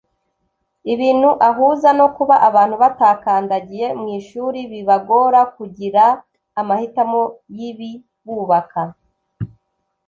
ibintu ahuza no kuba abantu batakandagiye mu ishuri bibagora kugira amahitamo y’ibibubaka